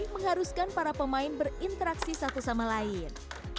mengharuskan para pemain berinteraksi satu sama lain